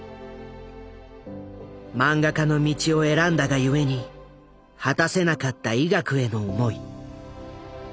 漫画家の道を選んだがゆえに果たせなかった医学への思い。